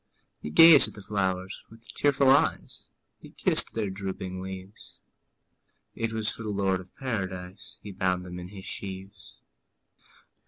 '' He gazed at the flowers with tearful eyes, He kissed their drooping leaves; It was for the Lord of Paradise He bound them in his sheaves.